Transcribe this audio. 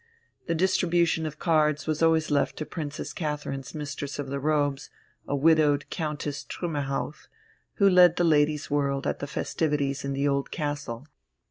The distribution of cards was always left to Princess Catherine's Mistress of the Robes, a widowed Countess Trümmerhauff, who led the ladies' world at the festivities in the Old Castle.